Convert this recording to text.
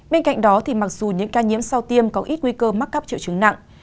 bên cạnh đó mặc dù những ca nhiễm sau tiêm có ít nguy cơ mắc cắp triệu chứng nặng